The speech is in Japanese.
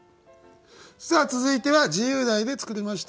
続いては自由題で作りました。